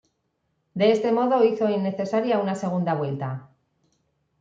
De este modo hizo innecesaria una segunda vuelta.